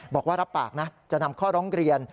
บอกว่ารับปากนะจะนำข้อร้องเรียน